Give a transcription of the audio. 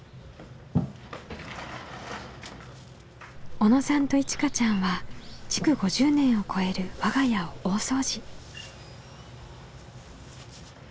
小野さんといちかちゃんは築５０年を超える我が家を大掃除。